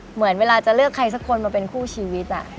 เหมือนเวลาจะเลือกใครสักคนมาเป็นคู่ชีวิต